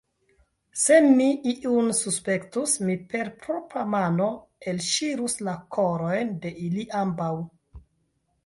Se mi iun suspektus, mi per propra mano elŝirus la korojn de ili ambaŭ!